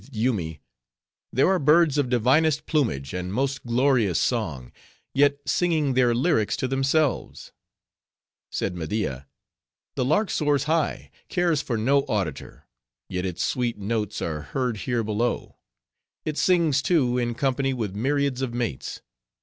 Breathed Yoomy, "There are birds of divinest plumage, and most glorious song, yet singing their lyrics to themselves." Said Media, "The lark soars high, cares for no auditor, yet its sweet notes are heard here below. It sings, too, in company with myriads of mates.